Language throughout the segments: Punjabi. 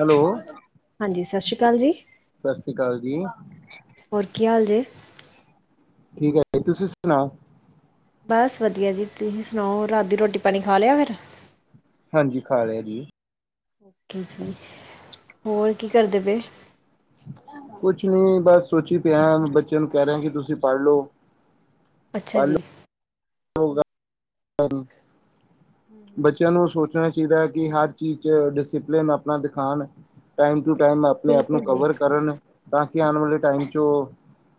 ਹੈਲੋ ਸਤਿ ਸ੍ਰੀ ਅਕਾਲ ਜੀ। ਸਤਿ ਸ਼੍ਰੀ ਅਕਾਲ ਜੀ। ਹੋਰ ਕੀ ਹਾਲ ਜੇ? ਠੀਕ ਐ ਜੀ, ਤੁਸੀਂ ਸੁਣਾਓ? ਬਸ ਵਧੀਆ ਜੀ ਤੁਸੀਂ ਸੁਣਾਓ ਰਾਤ ਦੀ ਰੋਟੀ ਪਾਣੀ ਖਾ ਲਿਆ ਫਿਰ? ਹਾਂਜੀ ਖਾ ਲਿਆ ਜੀ। ਓਕੇ ਜੀ ਹੋਰ ਕੀ ਕਰਦੇ ਪਏ? ਕੁਛ ਨੀ ਬਸ ਸੋਚੀ ਪਿਆ ਬੱਚਿਆਂ ਨੂੰ ਕਹਿ ਰਿਹਾ ਕਿ ਤੁਸੀਂ ਪੜ੍ਹ ਲਓ ਅੱਛਾ ਪੜ੍ਹ ਜੀ। ਹੂੰ ਹੂੰ, ਬੱਚਿਆਂ ਨੂੰ ਸੋਚ ਸੋਚਣਾ ਚਾਹੀਦਾ ਐ ਕਿ ਹਰ ਚੀਜ਼ ਚ ਡਿਸਿਪਲਿਨ ਆਪਣਾ ਦਿਖਾਣ ਟਾਈਮ ਟੂ ਟਾਈਮ ਆਪਣੇ ਆਪ ਨੂੰ ਬਿਲਕੁਲ ਜੀ ਕਵਰ ਕਰਨ ਤਾਂ ਕਿ ਆਉਣ ਵਾਲੇ ਟਾਈਮ 'ਚ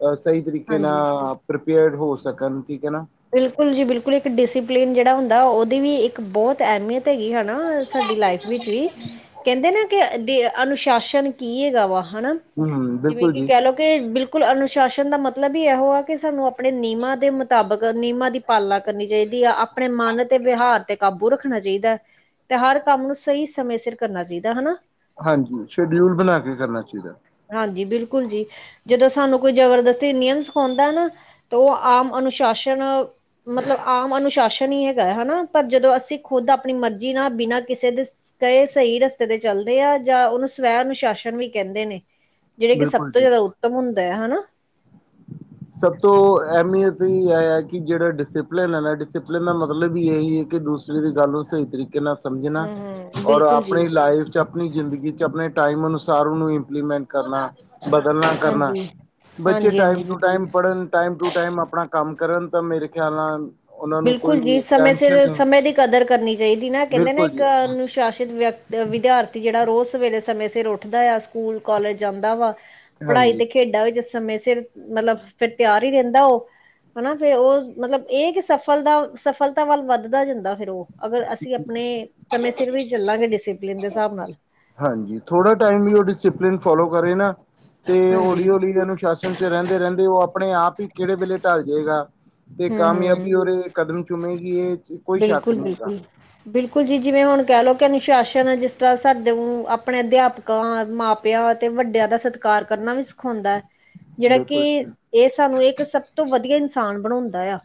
ਔ ਸਹੀ ਤਰੀਕੇ ਹਾਂਜੀ ਨਾਲ ਪ੍ਰੀਪੇਅਰਡ ਹੋ ਸਕਣ ਠੀਕ ਐ ਨਾ। ਬਿਲਕੁਲ ਜੀ ਬਿਲਕੁਲ ਇੱਕ ਡਿਸਪਲਿਨ ਜਿਹੜਾ ਹੁੰਦਾ ਉਹਦੀ ਵੀ ਇੱਕ ਬਹੁਤ ਅਹਿਮੀਅਤ ਤੇ ਕੀ ਐ ਨਾ ਸਾਡੀ ਲਾਈਫ ਵਿੱਚ ਵੀ ਕਹਿੰਦੇ ਨੇ ਕਿ ਅਨੁਸ਼ਾਸਨ ਕੀ ਹੈਗਾ ਵਾ ਹਨਾ, ਹਮ ਜਿਵੇਂ ਬਿਲਕੁਲ ਕਿ ਜੀ ਕਹਿ ਲਓ ਕਿ ਬਿਲਕੁਲ ਅਨੁਸ਼ਾਸਨ ਦਾ ਮਤਲਬ ਈ ਇਹੋ ਆ ਕਿ ਸਾਨੂੰ ਆਪਣੇ ਨਿਯਮਾਂ ਦੇ ਮੁਤਾਬਿਕ ਨਿਯਮਾਂ ਦੀ ਪਾਲਣਾ ਕਰਨੀ ਚਾਹੀਦੀ ਐ ਆਪਣੇ ਮਨ ਤੇ ਵਿਹਾਰ ਤੇ ਕਾਬੂ ਰੱਖਣਾ ਚਾਹੀਦਾ ਐ। ਤੇ ਹਰ ਕੰਮ ਨੂੰ ਸਹੀ ਸਮੇਂ ਸਿਰ ਕਰਨਾ ਚਾਹੀਦਾ ਹਨਾ। ਹਾਂਜੀ ਸ਼ਡਿਊਲ ਬਣਾ ਕਰਨਾ ਚਾਹੀਦਾ। ਹਾਂਜੀ ਬਿਲਕੁਲ ਜੀ ਜਦੋਂ ਸਾਨੂੰ ਕੋਈ ਜਬਰਦਸਤੀ ਨਿਯਮ ਸਿਖਾਉਂਦਾ ਨਾ ਤੇ ਉਹ ਆਮ ਅਨੁਸ਼ਾਸਨ ਮਤਲਬ ਆਮ ਅਨੁਸ਼ਾਸਨ ਇਦਾਂ ਨੀ ਹੈਗਾ ਹਨਾ ਪਰ ਜਦੋਂ ਅਸੀਂ ਖੁੱਦ ਆਪਣੀ ਮਰਜ਼ੀ ਨਾਲ ਬਿਨਾਂ ਕਿਸੇ ਦੇ ਕਈ ਸਹੀ ਰਸਤੇ ਤੇ ਚੱਲਦੇ ਆ ਜਾਂ ਉਹਨੂੰ ਸਵੈ ਅਨੁਸ਼ਾਸਨ ਵੀ ਕਹਿੰਦੇ ਨੇ। ਜਿਹੜੇ ਕਿ ਸਭ ਬਿਲਕੁਲ ਤੋਂ ਜੀ ਜ਼ਿਆਦਾ ਉੱਤਮ ਹੁੰਦੇ ਆ ਹਨਾ। ਸਭ ਤੋਂ ਅਹਿਮੀਅਤ ਐ ਈ ਐ ਕਿ ਜਿਹੜਾ ਡਿਸਿਪਲਿਨ ਐ ਨਾ ਡਿਸਿਪਲਿਨ ਦਾ ਮਤਲਬ ਵੀ ਇਹੀ ਐ ਕਿ ਦੂਸ ਗੱਲ ਨੂੰ ਸਹੀ ਤਰੀਕੇ ਨਾਲ ਸਮਝਣਾ, ਹਮ ਹਮ ਔਰ ਬਿਲਕੁਲ ਜੀ ਆਪਣੀ ਲਾਈਫ ਚ ਆਪਣੀ ਜ਼ਿੰਦਗੀ ਚ ਆਪਣੇ ਟਾਈਮ ਅਨੁਸਾਰ ਉਹਨੂੰ ਇੰਪਲੀਮੈਂਟ ਕਰਨਾ ਬਦਲਣਾ ਕਰਨਾ ਹਾਂਜੀ ਬੱਚੇ ਹਾਂਜੀ ਟਾਈਮ ਹਾਂਜੀ ਟੂ ਬਿਲਕੁਲ ਟਾਈਮ ਪੜ੍ਹਨ ਟਾਈਮ ਟੂ ਟਾਈਮ ਆਪਣਾ ਕੰਮ ਕਰਨ ਤਾਂ ਮੇਰੇ ਖਿਆਲ ਨਾਲ ਉਹਨਾਂ ਨੂੰ ਕੋਈ ਬਿਲਕੁਲ ਜੀ ਸਮੇਂ ਟੈਨਸ਼ਨ ਸਿਰ ਨਹੀਂ ਸਮੇਂ ਦੀ ਕਦਰ ਕਰਨੀ ਚਾਹੀਦੀ ਨਾ ਕਹਿੰਦੇ ਨਾ ਬਿਲਕੁਲ ਇੱਕ ਜੀ ਅਨੁਸ਼ਾਸਿਤ ਵਿਅਕ ਵਿਦਿਆਰਥੀ ਜਿਹੜਾ ਰੋਜ਼ ਸਵੇਰੇ ਸਮੇਂ ਸਿਰ ਉੱਠਦਾ ਆ ਸਕੂਲ ਕਾਲਜ ਜਾਂਦਾ ਵਾ। ਪੜ੍ਹਾਈ ਹਾਂਜੀ ਤੇ ਖੇਡਾਂ ਵਿੱਚ ਸਮੇਂ ਸਿਰ ਮਤਲਬ ਫੇਰ ਤਿਆਰ ਈ ਰਹਿੰਦਾ ਉਹ ਹਨਾ ਫੇਰ ਉਹ ਮਤਲਬ ਇਹ ਕਿ ਸਫ਼ ਸਫਲਤਾ ਸਫਲਤਾ ਵੱਲ ਵੱਧਦਾ ਜਾਂਦਾ ਫੇਰ ਔ ਅਗਰ ਅਸੀਂ ਆਪਣੇ ਸਮੇਂ ਸਿਰ ਵੀ ਚੱਲਾਂਗੇ ਡਿਸਪਲਿਨ ਦੇ ਹਿਸਾਬ ਨਾਲ ਹਾਂਜੀ ਥੋੜਾ ਟਾਈਮ ਵੀ ਉਹ ਡਿਸਪਲਨ ਫੋਲੋ ਕਰੇ ਨਾ ਤੇ ਹਾਂਜੀ ਹੌਲੀ ਹੌਲੀ ਇਹਨੂੰ ਸ਼ਾਸਨ ਚ ਰਹਿੰਦੇ ਰਹਿੰਦੇ ਉਹ ਆਪਣੇ ਆਪ ਈ ਕਿਹੜੇ ਵੇਲੇ ਢਲ ਜੇ ਗਾ। ਤੇ ਹੂੰ ਹੂੰ ਕਾਮਯਾਬੀ ਉਹਦੇ ਕਦਮ ਚੁਮੇਗੀ ਇਹ ਕੋਈ ਸ਼ੱਕ ਬਿਲਕੁਲ ਨੀ ਗਾ। ਬਿਲਕੁਲ ਬਿਲਕੁਲ ਜੀ ਜਿਵੇਂ ਹੁਣ ਕਹਿ ਲਓ ਕਿ ਅਨੁਸ਼ਾਸਨ ਐ ਜਿਸ ਤਰ੍ਹਾਂ ਸਾਡੇ ਆਪਣੇ ਅਧਿਆਪਕ ਮਾਪਿਆਂ ਤੇ ਵੱਡਿਆਂ ਦਾ ਸਤਿਕਾਰ ਕਰਨਾ ਵੀ ਸਿਖਾਉਂਦਾ ਐ। ਜਿਹੜਾ ਕਿ ਬਿਲਕੁਲ ਇਹ ਸਾਨੂੰ ਇੱਕ ਸਭ ਤੋਂ ਵਧੀਆ ਇਨਸਾਨ ਬਣਾਉਂਦਾ ਆ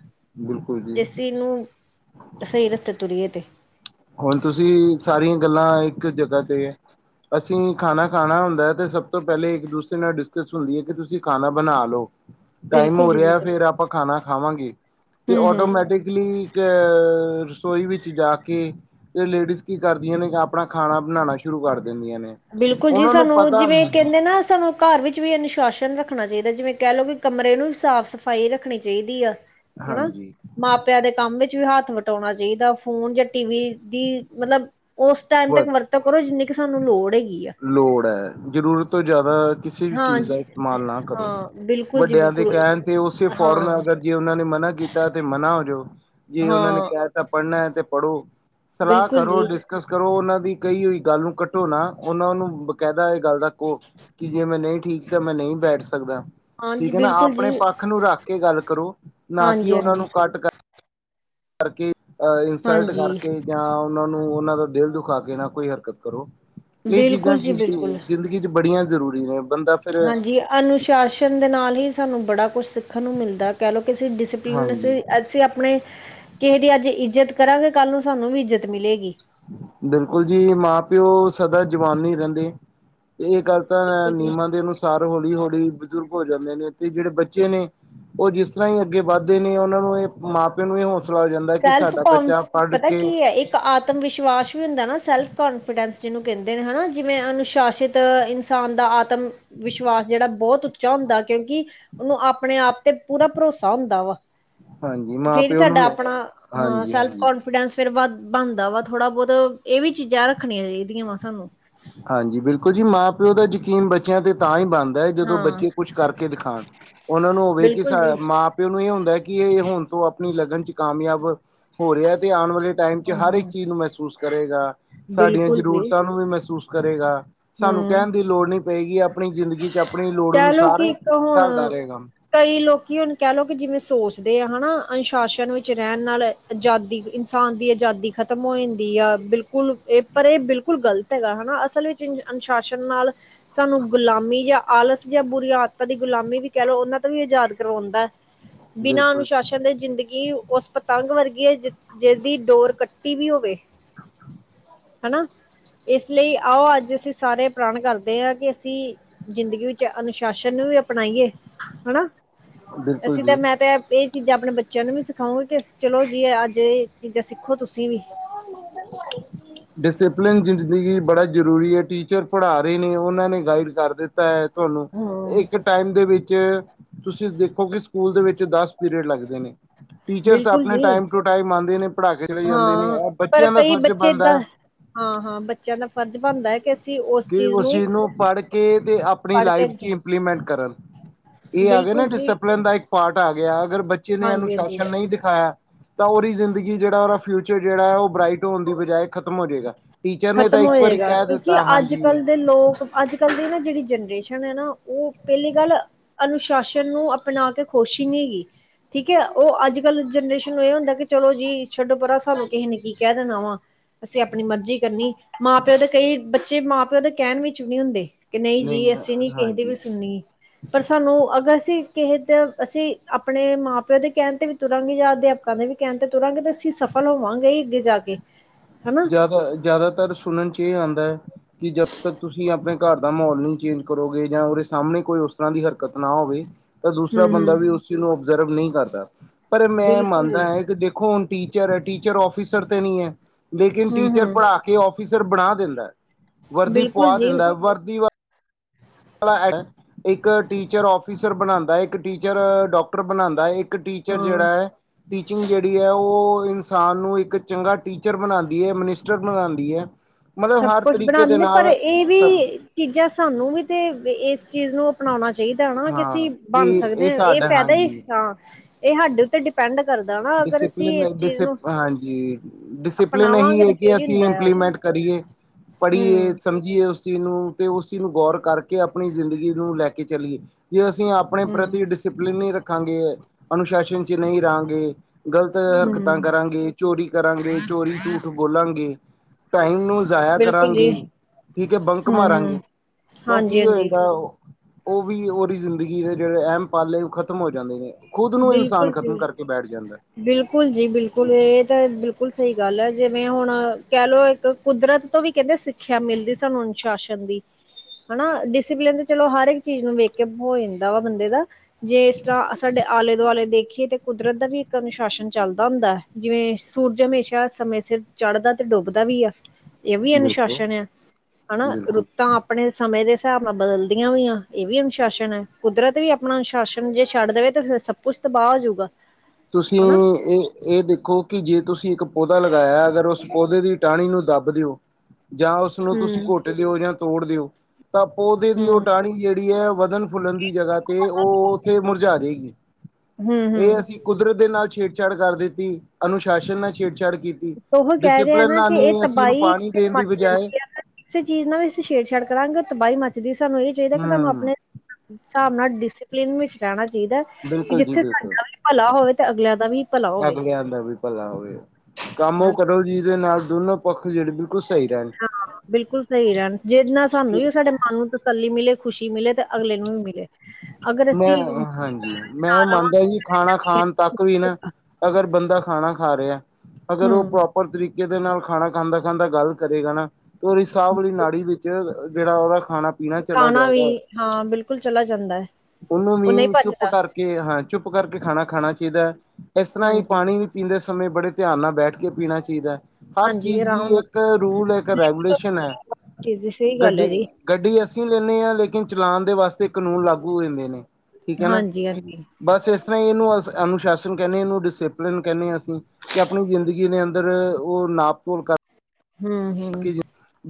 ਬਿਲਕੁਲ ਜੀ ਜੇਸੀ ਨੂੰ, ਸਹੀ ਰਸਤੇ ਤੁਰੀਏ ਤੇ ਹੁਣ ਤੁਸੀਂ ਸਾਰੀਆਂ ਗੱਲਾਂ ਇੱਕ ਜਗ੍ਹਾ ਤੇ ਅਸੀਂ ਖਾਨਾ ਖਾਣਾ ਹੁੰਦਾ ਤੇ ਸਭ ਤੋਂ ਪਹਿਲੇ ਇੱਕ ਦੂਸਰੇ ਨਾਲ ਡਿਸਕਸ ਹੁੰਦੀ ਐ ਕਿ ਤੁਸੀਂ ਖਾਣਾ ਬਣਾ ਲਓ। ਟਾਈਮ ਬਿਲਕੁਲ ਹੋ ਜੀ ਰਿਆ ਬਿਲਕੁਲ ਫੇਰ ਆਪਾਂ ਖਾਣਾ ਖਾਵਾਂਗੇ ਤੇ ਹਮ ਹਮ ਆਟੋਮੈਟਿਕ ਲੀ ਇੱਕ ਰਸੋਈ ਵਿੱਚ ਜਾ ਕੇ ਤੇ ਲੇਡੀਜ਼ ਕੀ ਕਰਦੀਆਂ ਨੇ ਕੇ ਆਪਨਾ ਖਾਨਾ ਬਨਾਨਾ ਸ਼ੁਰੂ ਕਰ ਦਿੰਦੀਆਂ ਨੇ। ਬਿਲਕੁਲ ਜੀ ਉਹਨਾਂ ਨੂੰ ਸਾਨੂੰ ਪਤਾ ਜਿਵੇਂ ਕੈਂਦੇ ਨਾ ਸਾਨੂੰ ਘਰ ਵਿੱਚ ਵੀ ਅਨੁਸ਼ਾਸਨ ਰੱਖਨਾ ਚਾਈਦਾ ਜਿਵੇਂ ਕੈ ਲੋ ਕੇ ਕਮਰੇ ਨੂੰ ਵੀ ਸਾਫ਼ ਸਫ਼ਾਈ ਰੱਖਨੀ ਚਾਈਦੀ ਆ। ਹਨਾ ਹਾਂਜੀ ਮਾ ਮਾਪੇਆਂ ਦੇ ਕੰਮ ਵਿੱਚ ਵੀ ਹੱਥ ਵਟੌਨਾ ਚਾਈਦਾ ਫੋਨ ਜਾਂ ਟੀਵੀ ਦੀ ਮਤਲਬ ਓਸ ਟਾਈਮ ਤੱਕ ਵਰਤੋਂ ਕਰੋ ਜਿੰਨੀ ਕ ਸਾਨੂੰ ਲੋੜ ਹੈਗੀ ਆ। ਲੋੜ ਐ, ਜ਼ਰੂਰਤ ਤੋਂ ਜਾਦਾ ਕਿਸੀ ਵੀ ਹਾਂ ਚੀਜ਼ ਦਾ ਇਸਤੇਮਾਲ ਨਾ ਕਰੋ, ਹਾਂ ਬਿਲਕੁਲ ਜੀ ਵੱਡਿਆਂ ਦੇ ਬਿਲਕੁਲ ਕੈਨ ਤੇ ਓਸੇ ਫੋਰਨ ਹਾਂ ਅਗਰ ਜੇ ਓਨਾਂ ਨੇ ਮਨਾ ਕੀਤਾ ਤੇ ਮਨਾ ਹੋਜੋ, ਜੇ ਓਨਾਂ ਨੇ ਹਾਂ ਕਿਆ ਤਾਂ ਪੜਨਾ ਐ ਤੇ ਪੜੋ। ਸਲਾਅ ਬਿਲਕੁਲ ਕਰੋ ਜੀ ਡਿਸਕਸ ਕਰੋ ਓਨਾਂ ਦੀ ਕਈ ਹੋਈ ਗੱਲ ਨੂੰ ਕੱਟੋ ਨਾ ਓਨਾਂ ਨੂੰ ਬਕੈਦਾ ਏ ਗੱਲ ਦਾ ਓ ਕੀ ਜੇ ਮੈਂ ਨਈਂ ਠੀਕ ਤਾਂ ਮੈਂ ਨਈਂ ਬੈਠ ਸਕਦਾ। ਹਾਂਜੀ ਠੀਕ ਐ ਨਾ ਬਿਲਕੁਲ ਜੀ ਆਪਨੇ ਪੱਖ ਨੂੰ ਰੱਖ ਕੇ ਗੱਲ ਕਰੋ, ਨਾ ਕੀ ਹਾਂਜੀ ਓਨਾਂ ਨੂੰ ਹਾਂਜੀ ਕੱਟ ਕਰਕੇ ਅਹ ਇਨਸਲਟ ਹਾਂਜੀ ਕਰਕੇ ਜਾਂ ਓਨਾਂ ਨੂੰ ਓਨਾਂ ਦਾ ਦਿਲ ਦੁਖਾ ਕੇ ਨਾ ਕੋਈ ਹਰਕਤ ਕਰੋ, ਏ ਚੀਜ਼ਾਂ ਬਿਲਕੁਲ ਜੀ ਜ਼ਿੰਦਗੀ ਨੇ ਬਿਲਕੁਲ ਜ਼ਿੰਦ ਗੀ ਚ ਬੜੀਆਂ ਜ਼ਰੂਰੀ ਨੇ ਬੰਦਾ ਫਿਰ ਹਾਂਜੀ ਅਨੁਸ਼ਾਸਨ ਦੇ ਨਾਲ ਈ ਸਾਨੂੰ ਬੜਾ ਕੁਛ ਸਿੱਖਨ ਨੂੰ ਮਿਲਦਾ। ਕੈ ਲੋ ਕੇ ਅਸੀਂ ਡਿਸਪਲਨ ਹਾਂਜੀ ਅਸੀਂ-ਅਸੀਂ ਆਪਨੇ ਕਿਸੇ ਦੀ ਅੱਜ ਇੱਜਤ ਕਰਾਂਗੇ ਕਾਂਲੂੰ ਸਾਨੂੰ ਵੀ ਇੱਜਤ ਮਿਲੇਗੀ। ਬਿਲਕੁਲ ਜੀ ਮਾਂ-ਪਿਓ ਸਦਾ ਜਵਾਨ ਨੀ ਰੈਂਦੇ, ਤੇ ਏ ਗੱਲ ਤਾਂ ਬਿਲਕੁਲ ਜੀ ਨਿਯਮਾਂ ਦੇ ਅਨੁਸਾਰ ਹੌਲੀ-ਹੌਲੀ ਬਜ਼ੁਰਗ ਹੋ ਜਾਂਦੇ ਨੇ ਤੇ ਜੇੜੇ ਬੱਚੇ ਨੇ ਓ ਜਿਸ ਤਰਾਂ ਈ ਅੱਗੇ ਵੱਧਦੇ ਨੇ ਓਨਾਂ ਨੂੰ ਏ ਮਾਂ- ਪਿਓ ਨੂੰ ਵੀ ਹੌਂਸਲਾ ਹੋ ਜਾਂਦਾ। ਕਿ ਸੈਲਫ ਸਾਡਾ ਕੋਨ ਬੱਚਾ ਪੜ੍ਹ ਪਤਾ ਕੇ ਕੀ ਐ ਇੱਕ ਆਤਮ ਵਿਸ਼ਵਾਸ ਵੀ ਹੁੰਦਾ ਨਾ ਸੈਲਫ ਕੋਨਫੀਡੈਂਸ ਜਿਨੂੰ ਕੈਂਦੇ ਨੇ ਹਨਾ ਜਿਵੇਂ ਅਨੁਸ਼ਾਸਿਤ ਇਨਸਾਨ ਦਾ ਆਤਮ ਵਿਸ਼ਵਾਸ ਜੇੜਾ ਬੋਤ ਉੱਚਾ ਹੁੰਦਾ, ਕਿਓਂਕਿ ਓਨੂੰ ਆਪਨੇ ਆਪ ਤੇ ਪੂਰਾ ਭਰੋਸਾ ਹੁੰਦਾ ਵਾ। ਹਾਂਜੀ ਤੇ ਮਾਂ ਫਿਰ ਪਿਓ ਸਾਡਾ ਨੂੰ ਆਪਨਾ ਹਾਂ ਸੈਲਫ ਕੋਨ- ਹਾਂਜੀ-ਹਾਂਜੀ। ਕੋਨਫੀਡੈਂਸ ਫੇਰ ਵ ਬਨਦਾ ਵਾ ਥੋੜਾ ਬੋਤ ਏ ਵੀ ਚੀਜ਼ਾਂ ਰੱਖਨੀਆਂ ਚਾਈਦੀਆਂ ਵਾ ਸਾਨੂੰ। ਹਾਂਜੀ, ਬਿਲਕੁਲ ਜੀ ਮਾਂ-ਪਿਓ ਦੇ ਯਕੀਨ ਬੱਚੇਆਂ ਤੇ ਤਾਂਈ ਬਨ ਦਾ ਜਦੋਂ ਹਾਂ ਬੱਚੇ ਕੁਛ ਕਰਕੇ ਦਿਖਾਨ, ਓਨਾਂ ਨੂੰ ਹੋਵੇ ਕੀ ਸਾ ਬਿਲਕੁਲ ਜੀ ਮਾਂ ਪਿਓ ਨੂੰ ਈ ਹੁੰਦਾ ਕੀ ਏ ਹੁਨ ਤੋਂ ਆਪਨੀ ਲਗਨ ਚ ਕਾਮਯਾਬ ਹੋ ਰਿਆ ਤੇ ਆਨ ਵਾਲੇ ਟਾਈਮ ਚ ਹਾਂ ਹਰ ਇੱਕ ਹਾਂ ਚੀਜ਼ ਨੂੰ ਮਹਿਸੂਸ ਕਰੇਗਾ, ਸਾਡੀਆਂ ਬਿਲਕੁਲ ਜੀ ਜ਼ਰੂਰਤਾਂ ਨੂੰ ਵੀ ਮਹਿਸੂਸ ਕਰੇਗਾ। ਸਾਨੂੰ ਹਮ ਕੈਨ ਦੀ ਲੋੜ ਨਈ ਪਏਗੀ ਆਪਨੀ ਜ਼ਿੰਦਗੀ ਚ ਆਪਨੀ ਲੋੜ ਕਹਿ ਲਓ ਅਨੁਸਾਰ ਕਿ ਇੱਕ ਹੁਣ ਢਲਦਾ ਰਏਗਾ। ਕਈ ਲੋਕੀ ਹੁਨ ਕੈ ਲਓ ਕੀ ਜਿਵੇਂ ਸੋਚਦੇ ਆ ਹਨਾ ਅਨੁਸ਼ਾਸਨ ਵਿੱਚ ਰੈਨ ਨਾਲ ਆਜ਼ਾਦੀ ਇਨਸਾਨ ਦੀ ਆਜ਼ਾਦੀ ਖਤਮ ਹੋ ਜਾਂਦੀ ਆ ਬਿਲਕੁਲ ਏ ਪਰ ਏ ਬਿਲ ਬਿਲਕੁਲ ਗਲਤ ਹੈਗਾ ਹਨਾ ਅਸਲ ਵਿੱਚ ਅਨੁਸ਼ਾਸਨ ਨਾਲ ਸਾਨੂੰ ਗੁਲਾਮੀ ਜਾਂ ਆਲਸ ਜਾਂ ਬੁਰੀਆਂ ਆਦਤਾਂ ਦੀ ਗੁਲਾਮੀ ਵੀ ਕੈ ਲੋ ਓਨਾਂ ਤੋਂ ਵੀ ਆਜ਼ਾਦ ਕਰਵੌਂਦਾ। ਬਿਨਾਂ ਬਿਲਕੁਲ ਅਨੁਸ਼ਾਸਨ ਦੇ ਜ਼ਿੰਦਗੀ ਓਸ ਪਤੰਗ ਵਰਗੀ ਐ ਜ ਜਿਸਦੀ ਡੋਰ ਕੱਟੀ ਵੀ ਹੋਵੇ। ਹਨਾ, ਇਸ ਲਈ ਆਓ ਅੱਜ ਅਸੀਂ ਸਾਰੇ ਪਰਨ ਕਰਦੇ ਆਂ ਕੇ ਅਸੀਂ ਜ਼ਿੰਦਗੀ ਵਿੱਚ ਅਨੁਸ਼ਾਸਨ ਨੂੰ ਵੀ ਅਪਨਾਈਏ ਹਨਾ। ਬਿਲਕੁਲ ਅਸੀਂ ਤਾਂ ਜੀ। ਮੈਂ ਤੇ ਐ ਏ ਚੀਜ਼ਾਂ ਆਪਨੇ ਬੱਚੇਆਂ ਨੂੰ ਵੀ ਸਿਖਾਊਂਗੀ ਕੇ ਚਲੋ ਜੀ ਅੱਜ ਏ ਚੀਜ਼ਾਂ ਸਿੱਖੋ ਤੁਸੀਂ ਵੀ। ਕੌਨ ਮੂੰ ਤੇ ਕਵਾਈ। ਡਿਸਪਲਿਨ ਜ਼ਿੰਦਗੀ ਬੜਾ ਜ਼ਰੂਰੀ ਐ ਟੀਚਰ ਪੜਾ ਰਏ ਨੇ ਓਨਾਂ ਨੇ ਗਾਈਡ ਕਰ ਦਿੱ ਤਾ ਐ ਤੁਆਨੂੰ। ਹਾਂ ਇੱਕ ਟਾਈਮ ਦੇ ਵਿੱਚ ਤੁਸੀ ਦੇਖੋਗੇ ਸਕੂਲ ਦੇ ਵਿੱਚ ਦਸ ਪੀਰੀਅਡ ਲੱਗਦੇ ਨੇ। ਟੀਚਰਸ ਬਿਲਕੁਲ ਆਪਣੇ ਜੀ ਟਾਈਮ ਟੂ ਟਾਈਮ ਆਂਦੇ ਨੇ ਪੜ੍ਹਾ ਕੇ ਚਲੇ ਜਾਂਦੇ ਨੇ ਹਾਂ ਪਰ ਬੱਚਿਆਂ ਦਾ ਕਈ ਫ਼ਰਜ ਬੱਚੇ ਬਨਦਾ ਏਦਾਂ ਹਾਂ ਹਾਂ ਬੱਚਿਆਂ ਦਾ ਫਰਜ਼ ਬਣਦਾ ਹੈ ਕਿ ਅਸੀਂ ਉਸ ਕਿ ਚੀਜ਼ ਓਸ ਚੀਜ ਨੂੰ ਪੜ੍ਹ ਕੇ ਤੇ ਆਪਣੀ ਪੜ੍ਹ ਕੇ ਲਾਈਫ 'ਚ ਅੱਗੇ [unintelligible] ਕਰਨ, ਏ ਆਗੇਆ ਨਾ ਬਿਲਕੁਲ ਜੀ ਡਿਸਪਲ ਦਾ ਇੱਕ ਪਾਰਟ ਆ ਗਿਆ ਅਗਰ ਬੱਚੇ ਨੇ ਹਾਂਜੀ ਹਾਂਜੀ ਅਨੁਸ਼ਾਸ਼ਨ ਨਈ ਦਿਖਾਇਆ ਤਾਂ ਓਦੀ ਜ਼ਿੰਦਗੀ ਜੇੜਾ ਓਦਾ ਫਿਊਚਰ ਜੇੜਾ ਓ ਬ੍ਰਾਈਟ ਹੋਣ ਦੀ ਬਜਾਏ ਖ਼ਤਮ ਹੋ ਜੇਗਾ। ਖਤਮ ਹੋਏਗਾ ਕਿਉਂਕਿ ਅੱਜ ਕੱਲ ਦੇ ਲੋਕ ਅੱਜ ਕੱਲ ਦੀ ਨਾ ਜੇੜੀ ਜਨਰੇਸ਼ਨ ਐ ਨਾ ਓ ਪੈਲੀ ਗੱਲ ਅਨੁਸ਼ਾਸ਼ਨ ਨੂੰ ਅਪਨਾ ਕੇ ਖੁਸ਼ ਈ ਨੀਗੀ। ਠੀਕ ਐ ਓ ਅੱਜ ਕੱਲ ਜਨਰੇਸ਼ਨ ਨੂੰ ਏ ਹੁੰਦਾ ਕਿ ਚਲੋ ਜੀ ਛੱਡੋ ਪਰਾਂ ਸਾਨੂੰ ਕਿਹੇ ਨੇ ਕੀ ਕੈ ਦੇਣਾ ਵਾ ਅਸੀ ਆਪਨੀ ਮਰਜੀ ਕਰਨੀ ਮਾਂ ਪਿਓ ਤੇ ਕਈ ਬੱਚੇ ਮਾਂ ਪਿਓ ਦੇ ਕੈਣ ਵਿੱਚ ਵੀ ਨੀ ਹੁੰਦੇ। ਕੇ ਨਈ ਜੀ ਅਸੀ ਨੀ ਨਹੀਂ ਕਿਹੇ ਦੀ ਵੀ ਹਾਂਜੀ ਸੁਣਨੀ ਪਰ ਸਾਨੂੰ ਅਗਰ ਅਸੀ ਕਿਸੇ ਚ ਅਸੀ ਆਪਣੇ ਮਾਂ ਪਿਓ ਦੇ ਕੈਣ ਤੇ ਵੀ ਤੁਰਾਂਗੇ ਯਾ ਅਧਿਆਪਕਾਂ ਦੇ ਵੀ ਕੈਣ ਤੇ ਤੁਰਾਂਗੇ ਤੇ ਅਸੀ ਸਫ ਲ ਹੋਵਾਂਗੇ ਈ ਅੱਗੇ ਜਾ ਕੇ ਹਨਾ ਜਆਦਾ ਏ ਜਆਦਾਤਰ ਸੁਣਨ ਚ ਏ ਆਂਦਾ ਏ ਕਿ ਜਬ ਤੱਕ ਤੁਸੀ ਆਪਣੇ ਘਰ ਦਾ ਮੋਲ ਨਈ ਚੇਂਜ ਕਰੋਗੇ ਜਾਂ ਉਰੇ ਸਾਮਣੇ ਕੋਈ ਉਸ ਤਰ੍ਹਾਂ ਦੀ ਹਰਕਤ ਨਾ ਹੋਵੇ ਤਾ ਹਮ ਦੂਸਰਾ ਬੰਦਾ ਹਮ ਵੀ ਉਸ ਓਬਜ਼ਰਵ ਨਈ ਕਰਦਾ ਪਰ ਮੈਂ ਬਿਲਕੁਲ ਜੀ ਮੰਨਦਾ ਆਂ ਕਿ ਦੇਖੋ ਹੁਣ ਟੀ ਟੀਚਰ ਐ ਟੀਚਰ ਓਫੀਸਰ ਤੇ ਨਈ ਐ ਲੇਕਿਨ ਟੀਚਰ ਹੂੰ-ਹੂੰ ਪੜਾ ਕੇ ਓਫੀਸਰ ਬਣਾ ਦੇਂਦੈ। ਵਰਦੀ ਬਿਲਕੁਲ ਪੁਆ ਜੀ ਦਿੰਦਾ ਏ ਵਰਦੀ ਵ ਇੱਕ ਟੀਚਰ ਔਫਿਸਰ ਬਣਾਂਦਾ, ਇੱਕ ਟੀਚਰ ਡਾਕਟਰ ਬਣਾਂਦਾ ਇੱਕ ਟੀਚਰ ਜੇੜਾ ਹਾਂ ਏ ਟੀਚਿੰਗ ਜੇੜੀ ਐ ਓ ਇਨਸਾਨ ਨੂੰ ਇੱਕ ਚੰਗਾ ਟੀਚਰ ਬਨਾਂਦੀ ਐ ਮਨਿਸਟਰ ਬਨਾਂਦੀ ਐ। ਸਬ ਕੁਛ ਬਣਾਂਦੇ ਨੇ ਪਰ ਏ ਸਭ ਵੀ ਚੀਜਾਂ ਸਾਨੂੰ ਵੀ ਤੇ ਵ ਏਸ ਚੀਜ ਨੂੰ ਅਪਣਾਉਣਾ ਚਾਈਦਾ ਹਣਾ ਕਿ ਅਸੀ ਹਾਂ ਕਿ ਬਣ ਇਹ ਸਕਦੇ ਆਂ ਏ ਸਾਡਾ ਫੈਦਾ ਏ ਆਂ ਏ ਹਾਡੇ ਉੱਤੇ ਡਿਪ ਡਿਸਿਪਲੀਨ ਅ ਡਿਸਪ ਹਾਂਜੀ ਡਿਸਪਲਿਨ ਐਹੀ ਅਪਣਾਵਾਂਗੇ ਹੈ ਤੇ ਕਿ ਫੇਰ ਹੀ ਅਸੀ ਹੁੰਦਾ ਆ ਇੰਪਲੀਮੈਂਟ ਕਰੀਏ, ਪੜੀਏ ਸਮ ਜੇ ਓਸ ਚੀਜ਼ ਨੂੰ ਤੇ ਉਸ ਚੀਜ਼ ਨੂੰ ਗੌਰ ਕਰਕੇ ਆਪਣੀ ਜਿੰਦਗੀ ਨੂੰ ਲੈ ਕੇ ਚਲੀਏ। ਜੇ ਅਸੀ ਆਪ ਆਪਨੇ ਪ੍ਰਤੀ ਹੂੰ-ਹੂੰ-ਹੂੰ ਡਿਸਪਲਿਨ ਨਈ ਰੱਖਾਂਗੇ ਅਨੁਸ਼ਾਸ਼ਨ ਚ ਨਈ ਰਆਂਗੇ। ਗਲਤ ਹਰਕਤਾਂ ਕਰਾਂਗੇ, ਚੋਰੀ ਕਰਾਂਗੇ, ਚੋਰੀ ਝੂਠ ਬੋਲਾਂਗੇ ਟਾਈਮ ਨੂੰ ਜਾਇਆ ਬਿਲਕੁਲ ਜੀ ਕਰਾਂਗੇ, ਪੀ ਕੇ ਬੰਕ ਮਾਰਾਂਗੇ। ਹੂੰ-ਹੂੰ ਤੋਂ ਕੀ ਹੋ ਹਾਂਜੀ-ਹਾਂਜੀ ਜਾਂਦੈ ਉਹ ਓ ਵੀ ਓਰੀ ਜ਼ਿੰਦਗੀ ਦੇ ਜੇੜੇ ਅਹਿਮ ਪਾਲੇ ਓ ਖ਼ਤਮ ਹੋ ਜਾਂਦੇ ਨੇ। ਖ਼ੁਦ ਨੂੰ ਇਨਸਾਨ ਬਿਲਕੁਲ ਖਤਮ ਜੀ ਕਰਕੇ ਬੈਠ ਜਾਂਦੈ। ਬਿਲਕੁਲ ਜੀ ਬਿਲਕੁਲ ਏ ਤਾ ਬਿਲਕੁਲ ਸਈ ਗੱਲ ਐ। ਜਿਵੇਂ ਹੁਣ ਕੈ ਲਓ ਇੱਕ ਕੁਦਰਤ ਤੋ ਵੀ ਕੈਂਦੇ ਸਿੱਖਿਆ ਮਿਲਦੀ ਸਾਨੂੰ ਅਨੁਸ਼ਾਸ਼ਨ ਦੀ। ਹਨਾ, ਡਿਸਿਪਲਿਨ ਤੇ ਚਲੋ ਹਰ ਇੱਕ ਚੀਜ ਨੂੰ ਵੇਖ ਕੇ ਹੋ ਜਾਂਦਾ ਵਾ ਬੰਦੇ ਦਾ। ਜੇ ਇਸ ਤਰਾਂ ਸਾਡੇ ਆਲੇ ਦੁਆਲੇ ਦੇਖੀਏ ਤੇ ਕੁਦਰਤ ਦਾ ਵੀ ਇੱਕ ਅਨੁਸ਼ ਸ਼ਾਸ਼ਨ ਚਲਦਾ ਹੁੰਦਾ ਜਿਵੇਂ ਸੂਰਜ ਹਮੇਸ਼ਾ ਸਮੇਂ ਸਿਰ ਚੜ੍ਹਦਾ ਤੇ ਡੁੱਬਦਾ ਵੀ ਆ। ਏ ਵੀ ਬਿਲਕੁਲ ਅਨੁਸ਼ਾਸ਼ਨ ਆ ਹਨਾ ਬਿਲਕੁਲ ਰੁਤ ਤਾਂ ਆਪਣੇ ਸਮੇਂ ਦੇ ਸਾਬ ਨਾਲ ਬਦਲਦੀਆਂ ਵੀ ਆ ਏ ਵੀ ਅਨੁਸ਼ਾਸ਼ਨ ਐ ਕੁਦਰਤ ਵੀ ਅਪ ਆਪਣਾ ਅਨੁਸ਼ਾਸ਼ਨ ਜੇ ਛੱਡ ਦੇਵੇ ਤੇ ਫੇਰ ਸਭ ਕੁਛ ਤਬਾਹ ਹੋ ਜੂਗਾ। ਤੁਸੀ ਔ ਏ ਦੇਖੋ ਕਿ ਜੇ ਤੁਸੀ ਇੱਕ ਪੌਦਾ ਲਗਾਇਆ ਅਗਰ ਉਸ ਪੌਦੇ ਦੀ ਟਾਹਨੀ ਨੂੰ ਦੱਬ ਦਿਓ ਜਾਂ ਉਸਨੂੰ ਤੁਸੀਂ ਹੂੰ, ਘੁੱਟ ਦਿਓ ਜਾਂ ਤੋੜ ਦਿਓ ਤਾਂ ਪੌਦੇ ਦੀ ਉਹ ਹੂੰ, ਟਾਹਨੀ ਜਿਹੜੀ ਏ ਵਧਨ ਫੁੱਲਣ ਦੀ ਜਗ੍ਹਾ ਤੇ ਉਹਹ ਉੱਥੇ ਮੁਰਝਾ ਜੇਗੀ ਹੂੰ, ਇਹ ਹੂੰ ਅਸੀਂ ਕੁਦਰਤ ਦੇ ਨਾਲ ਛੇੜਛਾੜ ਕਰ ਦਿੱਤੀ, ਅਨੁਸ਼ਾਸਨ ਨਾਲ ਛੇੜਛਾੜ ਕੀਤੀ ਉਹ ਕਹਿ ਰਿਹਾ ਡਿਸਿਪਲਿਨ ਨਾ ਕਿ ਨਾਲ ਈ ਇਹ ਅਸੀਂ ਉਹਨੂੰ ਤਬਾਹੀ ਪਾਣੀ ਦੇਣ ਮਚ ਦੀ ਬਜਾਏ ਜਾਂਦੀ ਹੈ ਕਿਸੇ ਚੀਜ਼ ਨਾਲ ਅਸੀਂ ਛੇੜਛਾੜ ਕਰਾਂਗੇ ਤਬਾਹੀ ਮੱਚਦੀ ਸਾਨੂੰ ਇਹ ਹੀ ਚਾਹੀਦਾ ਕਿ ਸਾਨੂੰ ਹਮ ਆਪਨੇ ਸਾਬ ਨਾਲ ਡਿਸਪਲਿਨ ਵਿੱਚ ਰਹਿਨਾ ਚਾਹੀਦਾ ਕਿ ਬਿਲਕੁਲ ਜੀ ਜਿੱਥੇ ਬਿਲਕੁਲ ਤੁਹਾਡਾ ਵੀ ਭਲਾ ਹੋਵੇ ਤੇ ਅਗਲਿਆਂ ਦਾ ਵੀ ਭਲਾ ਹੋਵੇ ਅਗਲਿਆਂ ਦਾ ਵੀ ਭਲਾ ਹੋਵੇ, ਕੰਮ ਉਹ ਹਾਂਜੀ ਕਰੋ ਜੀਹਦੇ ਨਾਲ ਦੋਨੋ ਪੱਖ ਜਿਹੜੇ ਬਿਲਕੁਲ ਸਹੀ ਰਹਿਨ ਹਾਂ ਬਿਲਕੁਲ ਸਹੀ ਰਹਿਨ ਜਿੰਨਾ ਰਹਿਣ ਸਾਨੂੰ ਸਾਡੇ ਮ ਸਾਨੂੰ ਤਸੱਲੀ ਮਿਲੇ ਖੁਸ਼ੀ ਮਿਲੇ ਤੇ ਅਗਲੇ ਨੂੰ ਵੀ ਮਿਲੇ ਅਗਰ ਮੈਂ ਅਸੀਂ ਹਾਂਜੀ ਮੈਂ ਨਾ ਮੰਨਦਾ ਈ ਜੀ ਖਾਣਾ ਰਵਾਂਗੇ ਖਾਣ ਤੱਕ ਵੀ ਨਾ ਅਗਰ ਬੰਦਾ ਖਾਣਾ ਖਾ ਰਿਹਾ ਅਗਰ ਉਹ ਹੂੰ ਪ੍ਰੋਪ ਪਰ ਤਰੀਕੇ ਦੇ ਨਾਲ ਖਾਣਾ ਖਾਂਦਾ ਖਾਂਦਾ ਗੱਲ ਕਰੇਗਾ ਨਾ ਉਹਦੀ ਸਾਹ ਵਾਲੀ ਨਾੜੀ ਵਿੱਚ ਜਿਹੜਾ ਉਹਦਾ ਖਾਣਾ ਪੀਣਾ ਚਲਾ ਖਾਨਾ ਵੀ ਜਾਏਗਾ ਹਾਂ ਬਿਲਕੁਲ ਚਲਾ ਜਾਂਦਾ ਐ ਉਹਨੂੰ ਵੀ ਚੁੱਪ ਕਰਕੇ ਹਾਂ ਚੁੱਪ ਕਰਕੇ ਖਾਨਾ ਖਾਨਾ ਚਾਹੀਦਾ ਐ, ਇਸ ਤਰ੍ਹਾਂ ਹੀ ਹਾਂਜੀ ਪਾਨੀ ਪੀਂਦੇ ਸਮੇਂ ਬੜੇ ਧਿਆਨ ਨਾਲ ਬੈਠ ਕੇ ਪੀਨਾ ਚਾਹੀਦਾ ਹਰ ਹਾਂਜੀ ਚੀਜ਼ ਆਰਾਮ ਲਈ ਨਾਲ ਇੱਕ ਰੂਲ ਇੱਕ ਰੈਗੂਲੇਸ਼ਨ ਹੈ, ਜੀ, ਸਹੀ ਗੱਲ ਹੈ ਗੱਡੀ ਜੀ ਗੱਡੀ ਅਸੀਂ ਲੈਂਨੇ ਆ ਲੇਕਿਨ ਚਲਾਨ ਦੇ ਵਾਸਤੇ ਕਾਨੂੰਨ ਲਾਗੂ ਹੋ ਜਾਂਦੇ ਨੇ ਠੀਕ ਐ ਨਾ ਹਾਂਜੀ ਹਾਂਜੀ ਬਸ ਇਸ ਤਰਾ ਹੀ ਇਹਨੂੰ ਅਸ ਅਨੁਸ਼ਾਸਨ ਕਹਿੰਨੇ ਇਹਨੂੰ ਡਿਸਿਪਲਿਨ ਕਹਿੰਨੇ ਆ ਅਸੀਂ ਕੇ ਆਪਨੀ ਜ਼ਿੰਦਗੀ ਦੇ ਅੰਦਰ ਉਹ ਨਾਪਤੋਲ ਕਰ ਹੰ ਹੰ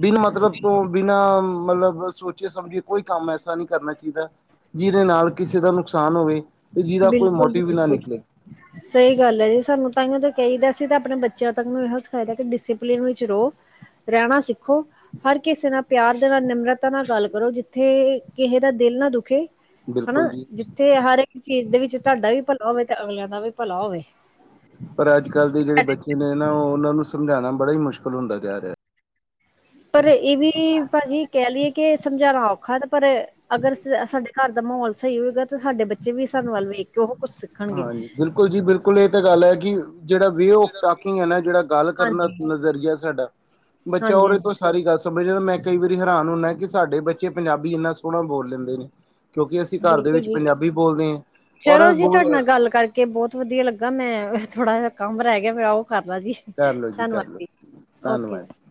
ਬਿਨ ਮਤਲਬ ਤੋਂ ਬਿਨਾਂ ਮਤਲਬ ਸੋਚੇ ਸਮਝੇ ਕੋਈ ਕੰਮ ਐਸਾ ਨਹੀਂ ਕਰਨਾ ਚਾਹੀਦਾ ਜਿਹਦੇ ਨਾਲ ਕਿਸੇ ਦਾ ਨੁਕਸਾਨ ਹੋਵੇ ਤੇ ਜਿਹਦਾ ਕੋਈ ਬਿਲਕੁਲ ਮੋਟੀਵ ਵੀ ਨਾ ਬਿਲਕੁਲ ਨਿਕਲੇ ਸਹੀ ਗੱਲ ਐ ਜੀ ਸਾਨੂੰ ਤਾਹੀੳ ਤਾਂ ਕਹੀ ਦਾ ਅਸੀ ਤਾਂ ਆਪਣੇ ਬੱਚਿਆਂ ਤੱਕ ਨੂੰ ਇਹੋ ਸਿਖਾਆ ਦਾ ਕੀ ਡਿਸਪਲਿਨ ਵਿੱਚ ਰਹੋ ਰਹਿਣਾ ਸਿੱਖੋ ਹਰ ਕਿਸੇ ਨਾਲ ਪਿਆਰ ਦੇ ਨਾਲ ਨਿਮਰਤਾ ਨਾਲ ਗੱਲ ਕਰੋ ਜਿੱਥੇ ਏਹ ਕਿਸੇ ਦਾ ਦਿਲ ਨਾ ਦੁਖੇ ਹੈਨਾ ਬਿਲਕੁਲ ਜੀ ਜਿੱਥੇ ਹਰ ਇੱਕ ਚੀਜ਼ ਦੇ ਵਿੱਚ ਤੁਹਾਡਾ ਵੀ ਭਲਾ ਹੋਵੇ, ਤੇ ਅਗਲਿਆਂ ਦਾ ਵੀ ਭਲਾ ਹੋਵੇ ਪਰ ਅੱਜ ਕਲ੍ਹ ਦੇ ਜਿਹੜੇ ਬੱਚੇ ਨੇ ਨਾ ਉਹ ਉਹਨਾਂ ਨੂੰ ਸਮਝਾਉਣਾ ਬੜਾ ਹੀ ਮੁਸ਼ਕਿਲ ਹੁੰਦਾ ਜਾ ਰਿਹਾ ਪਰ ਇਹ ਵੀ ਭਾਜੀ ਕਹਿ ਲਈਏ ਕਿ ਸਮਝਾਣਾ ਔਖਾ ਤੇ ਪਰ ਅਗਰ ਸਾਡੇ ਘਰ ਦਾ ਮਾਹੌਲ ਸਹੀ ਹੋਏਗਾ ਤੇ ਸਾਡੇ ਬੱਚੇ ਵੀ ਸਾਨੂੰ ਵੱਲ ਵੇਖ ਕੇ ਉਹੋ ਹਾਂਜੀ, ਬਿਲਕੁਲ ਜੀ ਬਿਲਕੁਲ ਇਹ ਤਾਂ ਗੱਲ ਐ ਕਿ ਜਿਹੜਾ ਵੇਅ ਆਫ ਟੋਕਿੰਗ ਹੈ ਨਾ ਜਿਹੜਾ ਗੱਲ ਕਰਨ ਦਾ ਹਾਂਜੀ ਨਜ਼ਰੀਆ ਸਾਡਾ ਬੱਚਾ ਹਾਂਜੀ ਉਰੇ ਤੋਂ ਹਾਂਜੀ ਸਾਰੀ ਗੱਲ ਸ ਤਾਂ ਵੀਰੇ ਮੈਂ ਕਈ ਵਾਰੀ ਹੈਰਾਨ ਹੁੰਨਾ ਕਿ ਸਾਡੇ ਬੱਚੇ ਪੰਜਾਬੀ ਐਨਾ ਸੋਹਣਾ ਬੋਲ ਲੈਂਦੇ ਨੇ ਕਿਉਂਕਿ ਅਸੀਂ ਘਰ ਦੇ ਬਿਲਕੁਲ ਵਿੱਚ ਜੀ ਪੰਜਾਬੀ ਬੋਲਦੇ ਆ ਔਰ ਚਲੋ ਜੀ ਗੋ ਤੁਹਾਡੇ ਨਾਲ ਗੱਲ ਕਰਕੇ ਬਹੁਤ ਵਦੀਆ ਲੱਗਾ ਮੈਂ ਥੋੜਾ ਜਾ ਕੰਮ ਰਹਿ ਗਿਆ ਮੇਰਾ ਮੈ ਉਹ ਕਰਲਾ ਜੀ ਕਰ ਲਓ ਧੰਨਵਾਦ ਕਰ ਲਓ ਜੀ ਓਕੇ ਜੀ ਧੰਨਵਾਦ।